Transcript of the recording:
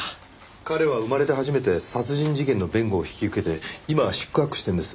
彼は生まれて初めて殺人事件の弁護を引き受けて今四苦八苦しているんです。